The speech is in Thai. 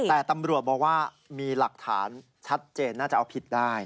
แต่ตำรวจบอกว่ามีหลักฐานชัดเจนน่าจะเอาผิดได้